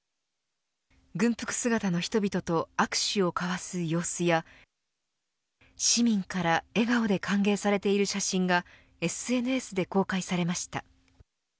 軍服姿の人々と握手を交わす様子や市民から笑顔で歓迎されている写真がＳＮＳで公開されました。